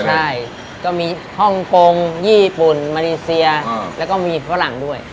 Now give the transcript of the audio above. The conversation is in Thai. ใช่ก็มีฮ่องกงญี่ปุ่นมาเลเซียแล้วก็มีฝรั่งด้วย